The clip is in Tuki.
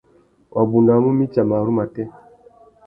Wabunda wa mú mitsa marru matê.